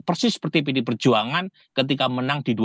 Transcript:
persis seperti pd perjuangan ketika menang di dua ribu sembilan belas